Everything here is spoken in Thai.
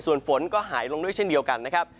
ส่วนฝนก็หายลงด้วยเช่นเดียวกันนะครับ